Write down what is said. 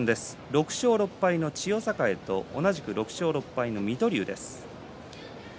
６勝６敗の千代栄と同じく６勝６敗の水戸龍です。